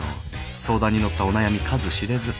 相談に乗ったお悩み数知れず。